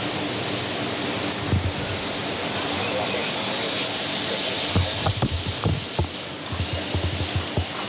ครองโสรเข้าได้ทั้งคู่